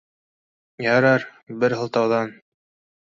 Ярар, бер һылтауҙан